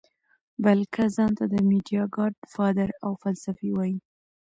بلکه ځان ته د ميډيا ګاډ فادر او فلسفي وائي -